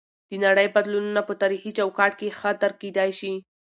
د نړۍ بدلونونه په تاریخي چوکاټ کې ښه درک کیدی شي.